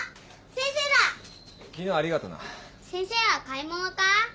先生は買い物か？